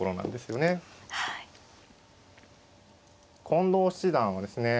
近藤七段はですね